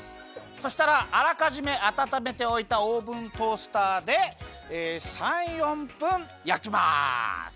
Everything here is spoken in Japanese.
そしたらあらかじめあたためておいたオーブントースターで３４分やきます。